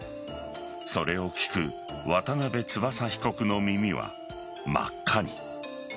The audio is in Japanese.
それを聞く渡辺翼被告の耳は真っ赤に。